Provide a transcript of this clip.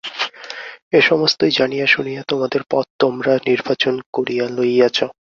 এ-সমস্তই জানিয়া শুনিয়া তোমাদের পথ তোমরা নির্বাচন করিয়া লইয়াছ।